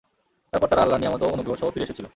তারপর তারা আল্লাহর নিয়ামত ও অনুগ্রহসহ ফিরে এসেছিল।